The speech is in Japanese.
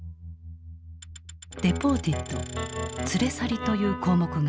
「デポーティッド」「連れ去り」という項目がある。